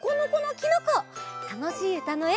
たのしいうたのえ